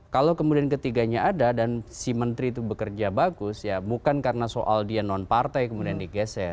kalau kemudian ketiganya ada dan si menteri itu bekerja bagus ya bukan karena soal dia non partai kemudian digeser